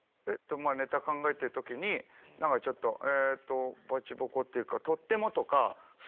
ネタ考えてる時に何かちょっとえっとバチボコっていうか。